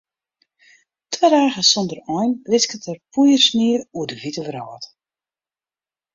Twa dagen sonder ein wisket der poeiersnie oer de wite wrâld.